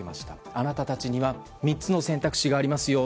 あなたたちには３つの選択肢がありますよ。